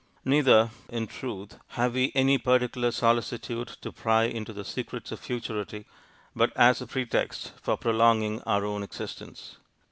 Neither, in truth, have we any particular solicitude to pry into the secrets of futurity, but as a pretext for prolonging our own existence.